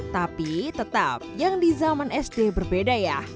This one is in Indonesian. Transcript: tapi tetap yang di zaman sd berbeda ya